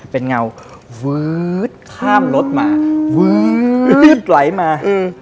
เป็นเงาวื้อดข้ามรถมาวื้อดไหลมา